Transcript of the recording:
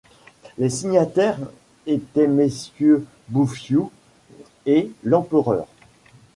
Les signataires étaient messieurs Bouffioux et L'empereur.